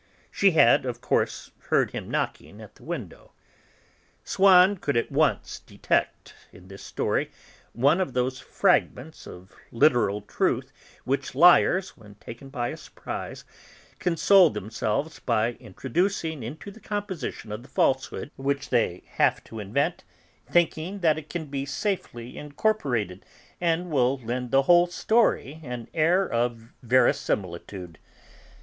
She had, of course, heard him knocking at the window. Swann could at once detect in this story one of those fragments of literal truth which liars, when taken by surprise, console themselves by introducing into the composition of the falsehood which they have to invent, thinking that it can be safely incorporated, and will lend the whole story an air of verisimilitude.